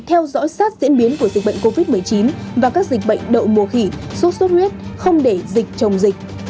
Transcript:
theo dõi sát diễn biến của dịch bệnh covid một mươi chín và các dịch bệnh đậu mùa khỉ xuất xuất huyết không để dịch trồng dịch